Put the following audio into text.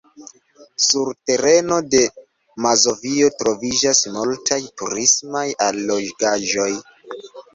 Sur tereno de Mazovio troviĝas multaj turismaj allogaĵoj.